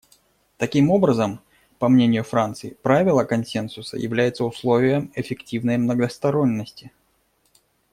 Таким образом, по мнению Франции, правило консенсуса является условием эффективной многосторонности.